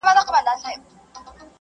څنګه کولای سو ټولني او ولس ته خدمت وکړو؟